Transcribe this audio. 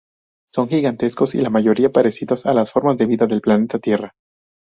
Son gigantescos y la mayoría parecidos a las formas de vida del planeta Tierra.